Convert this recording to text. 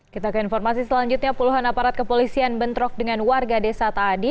kita ke informasi selanjutnya puluhan aparat kepolisian bentrok dengan warga desa taadi